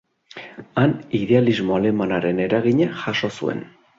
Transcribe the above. Han idealismo alemanaren eragina jaso zuen.